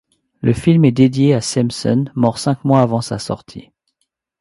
Le film est dédié à Simpson, mort cinq mois avant sa sortie.